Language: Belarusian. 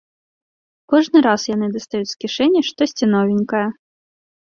Кожны раз яны дастаюць з кішэні штосьці новенькае.